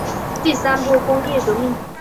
第三波工业革命